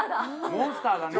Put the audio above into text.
モンスターだね。